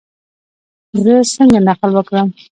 زه څنګه نقل وکړم؟